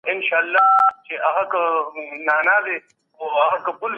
وګړي د سياسي ګوندونو له لاري خپل ږغ پورته کوي.